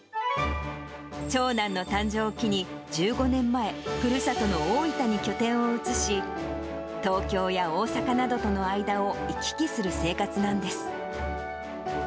長男の誕生を機に、１５年前、ふるさとの大分に拠点を移し、東京や大阪などとの間を行き来する生活なんです。